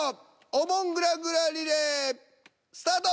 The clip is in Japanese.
お盆ぐらぐらリレースタート！